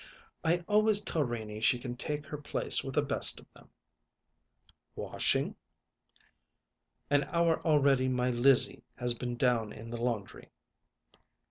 "I always tell Renie she can take her place with the best of them." "Washing?" "An hour already my Lizzie has been down in the laundry."